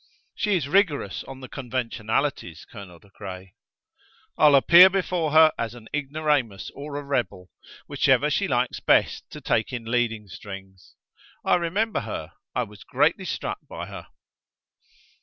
"She is rigorous on the conventionalities, Colonel De Craye." "I'll appear before her as an ignoramus or a rebel, whichever she likes best to take in leading strings. I remember her. I was greatly struck by her."